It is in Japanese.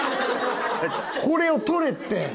これを取れって！